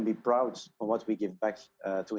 semua orang terpaksa